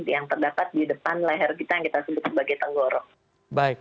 yang terdapat di depan leher kita yang kita sebut sebagai tenggorok